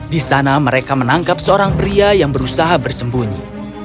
di sana mereka menangkap seorang pria yang berusaha bersembunyi